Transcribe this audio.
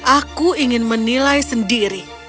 aku ingin menilai sendiri